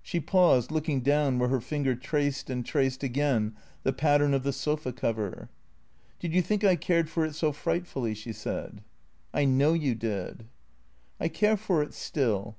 She paused, looking down where her finger traced and traced again the pattern of the sofa cover. "Did you think I cared for it so frightfully?" she said. " I know you did." " I care for it still."